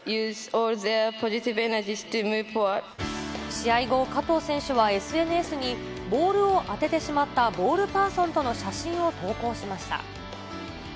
試合後、加藤選手はＳＮＳに、ボールを当ててしまったボールパーソンとの写真を投稿しました。